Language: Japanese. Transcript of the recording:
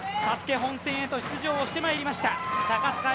本戦へと出場をしてまいりました。